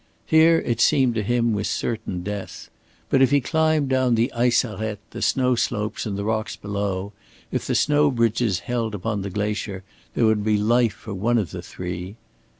Here it seemed to him was certain death. But if he climbed down the ice arête, the snow slopes, and the rocks below, if the snow bridges held upon the glacier, there would be life for one of the three.